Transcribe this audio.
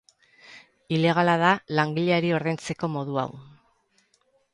Ilegala da langileari ordaintzeko modu hau.